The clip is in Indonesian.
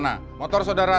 bapak bisa mencoba